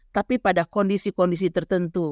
tapi pada kondisi kondisi tertentu